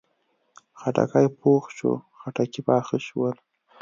خټکی پوخ شو، خټکي پاخه شول